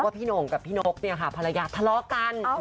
พี่หนงกับพี่นกพารรอกัน